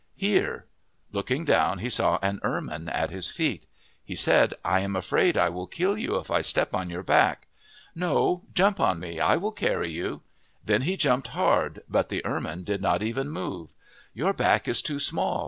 " Here." Looking down, he saw an ermine at his feet. He said, " I am afraid I will kill you if I step on your back." " No, jump on me. I will carry you." Then he jumped hard, but the ermine did not even move. " Your back is too small.